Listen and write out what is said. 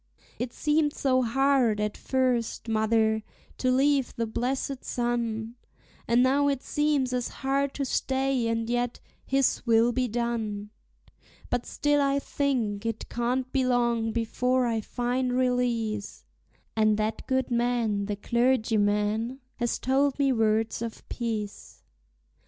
It seemed so hard at first, mother, to leave the blessed sun, And now it seems as hard to stay; and yet, His will be done! But still I think it can't be long before I find release; And that good man, the clergyman, has told me words of peace.